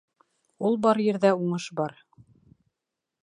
Ул бар ерҙә уңыш бар